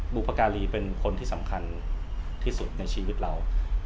บุพการีเป็นคนที่สำคัญที่สุดในชีวิตเรา